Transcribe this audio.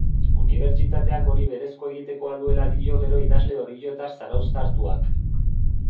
Unibertsitateak hori berezko egitekoa duela dio gero idazle oriotar zarauztartuak.